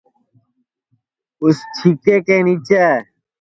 اُس چھیکے کے نیچے